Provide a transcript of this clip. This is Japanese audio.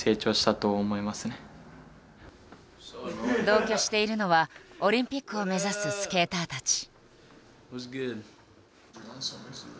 同居しているのはオリンピックを目指すスケーターたち。